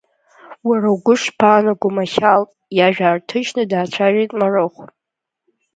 Уара угәы ишԥаанаго, Махьал, иажәа аарҭынчны даацәажәеит Марыхә.